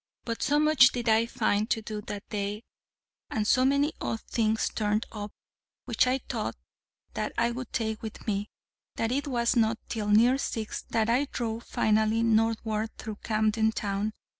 But so much did I find to do that day, and so many odd things turned up which I thought that I would take with me, that it was not till near six that I drove finally northward through Camden Town.